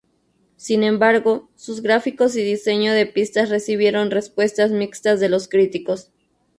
Sin embargo, sus gráficos y diseño de pistas recibieron respuestas mixtas de los críticos.